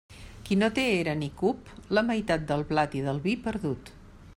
Qui no té era ni cup, la meitat del blat i del vi perdut.